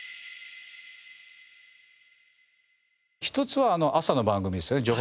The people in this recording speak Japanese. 一つは朝の番組ですよね情報番組。